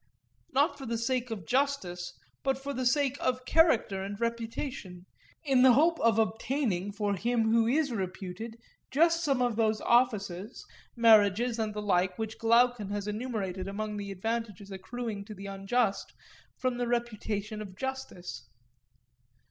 not for the sake of justice, but for the sake of character and reputation; in the hope of obtaining for him who is reputed just some of those offices, marriages, and the like which Glaucon has enumerated among the advantages accruing to the unjust from the reputation of justice.